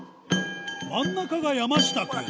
真ん中が山下くん